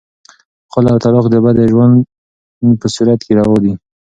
خلع او طلاق د بدې ژوند په صورت کې روا دي.